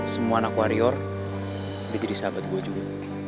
semua anak warrior dia jadi sahabat gue juga